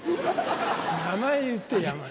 名前言って名前。